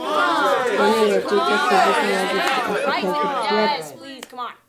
يەنە ياچېيكا شۇجىسىنىڭ ۋەزىپىسىنى ئەسلىگە كەلتۈرۈپسىلەر.